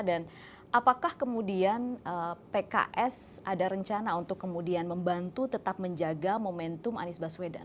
dan apakah kemudian pks ada rencana untuk kemudian membantu tetap menjaga momentum anies baswedan